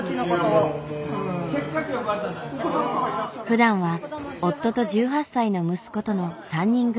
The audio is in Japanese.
ふだんは夫と１８歳の息子との３人暮らし。